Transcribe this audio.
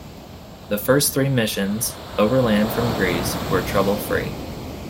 The first three missions, overland from Greece, were trouble-free.